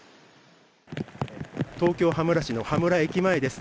東京・羽村市の羽村駅前です。